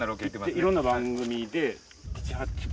いろんな番組で７８回？